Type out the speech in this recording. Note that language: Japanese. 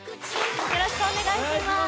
よろしくお願いします。